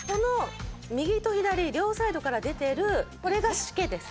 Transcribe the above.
右と左両サイドから出ているこれがシケです。